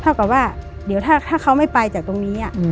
กับว่าเดี๋ยวถ้าเขาไม่ไปจากตรงนี้